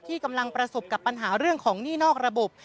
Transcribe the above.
กำลังประสบกับปัญหาเรื่องของหนี้นอกระบบ